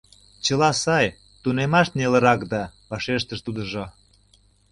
— Чыла сай, тунемаш нелырак да... — вашештыш тудыжо.